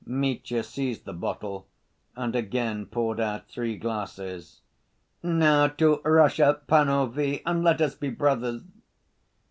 Mitya seized the bottle and again poured out three glasses. "Now to Russia, panovie, and let us be brothers!"